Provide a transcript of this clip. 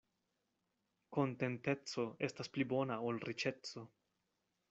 Kontenteco estas pli bona ol riĉeco.